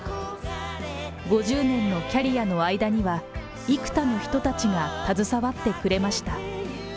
５０年のキャリアの間には、幾多の人たちが携わってくれました。